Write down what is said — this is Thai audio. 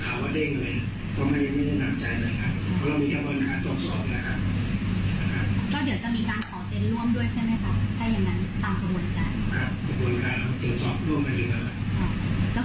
คือหนูเป็นเจ้าของเคสเองในการนี้ก็เลยไม่เห็นที่มันประสานตอนไหน